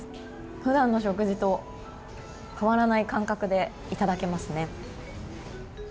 普段の食事と変わらない感覚でいただけますね。